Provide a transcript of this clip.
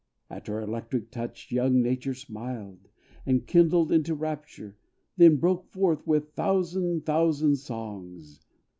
At her electric touch, young nature smiled, And kindled into rapture; then broke forth With thousand, thousand songs.